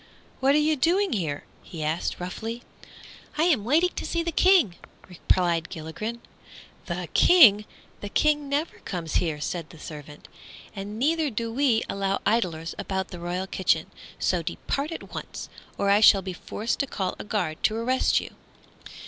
"What are you doing here?" he asked, roughly. "I am waiting to see the King," replied Gilligren. "The King! The King never comes here," said the servant; "and neither do we allow idlers about the royal kitchen. So depart at once, or I shall be forced to call a guard to arrest you."